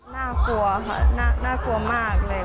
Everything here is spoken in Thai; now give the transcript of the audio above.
น่ากลัวเพราะว่า